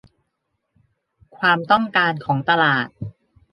ความต้องการของตลาด